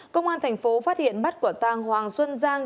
công an tp lạng sơn phát hiện bắt quả tàng hoàng xuân giang